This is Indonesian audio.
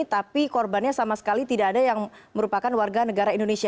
tapi korbannya sama sekali tidak ada yang merupakan warga negara indonesia